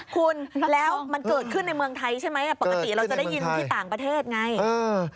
คุณแล้วมันเกิดขึ้นในเมืองไทยใช่ไหมปกติเราจะได้ยินที่ต่างประเทศไง